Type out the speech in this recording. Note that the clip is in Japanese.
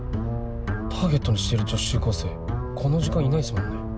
ターゲットにしてる女子中高生この時間いないっすもんね。